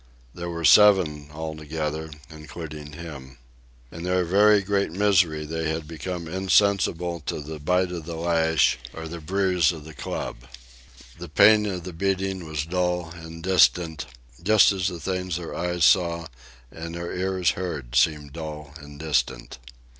There were seven all together, including him. In their very great misery they had become insensible to the bite of the lash or the bruise of the club. The pain of the beating was dull and distant, just as the things their eyes saw and their ears heard seemed dull and distant.